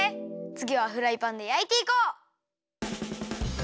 つぎはフライパンでやいていこう！